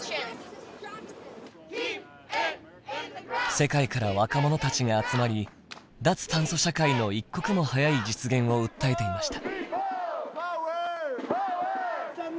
世界から若者たちが集まり脱炭素社会の一刻も早い実現を訴えていました。